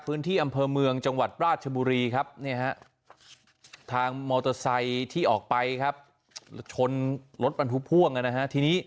พื้นที่อำเภอเมืองจังหวัดราชบุรีนะฮะทางมอโตไซค์ที่ออกไปแล้วชนรถบรรทุกพ่วงนะฮะ